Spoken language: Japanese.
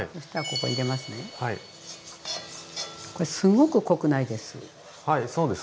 これすごく濃くないです。